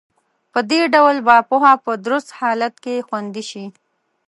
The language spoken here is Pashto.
په دې ډول به پوهه په درست حالت کې خوندي شي.